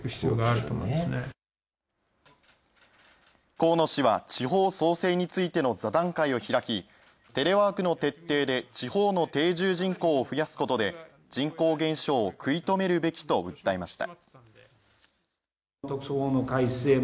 河野氏は、地方創生についての座談会を開き、テレワークの徹底で地方の定住人口を増やすことで人口減少を食い止めるべきと訴えました。